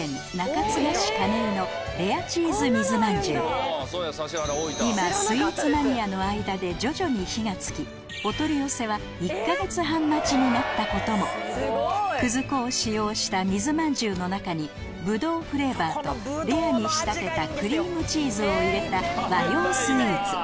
大分県今スイーツマニアの間で徐々に火がつきお取り寄せは１か月半待ちになったこともくず粉を使用した水まんじゅうの中にぶどうフレーバーとレアに仕立てたクリームチーズを入れた和洋スイーツ